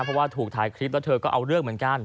เพราะว่าถูกถ่ายคลิปแล้วเธอก็เอาเรื่องเหมือนกัน